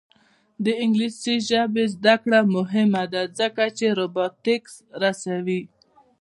د انګلیسي ژبې زده کړه مهمه ده ځکه چې روبوټکس رسوي.